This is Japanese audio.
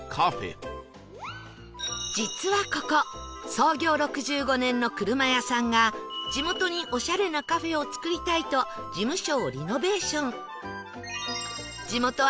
実はここ創業６５年の車屋さんが地元にオシャレなカフェを作りたいと事務所をリノベーション